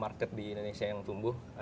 seiring dengan market di indonesia yang tumbuh